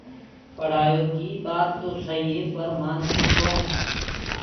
پڙهآئيو ڪي ٻآت توسهيٚ پر مآنسيٚ ڪوڻ